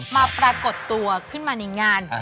ปรากฏตัวขึ้นมาในงาน